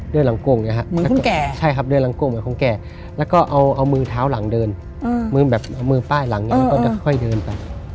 เหมือนคุณแกใช่ครับเดินหลังโก่งเหมือนคุณแกแล้วก็เอามือเท้าหลังเดินเอามือป้ายหลังแล้วก็ค่อยเดินไป